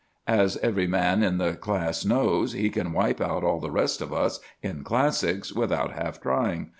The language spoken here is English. As every man in the class knows, he can wipe out all the rest of us in classics without half trying.